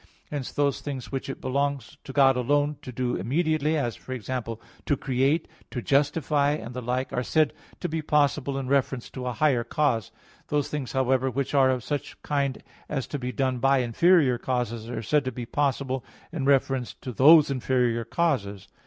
Hence those things which it belongs to God alone to do immediately as, for example, to create, to justify, and the like are said to be possible in reference to a higher cause. Those things, however, which are of such kind as to be done by inferior causes are said to be possible in reference to those inferior causes.